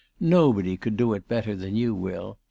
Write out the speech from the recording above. Nobody could do it better than you will.